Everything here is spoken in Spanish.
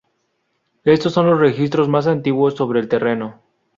Estos son los registros más antiguos sobre el terreno.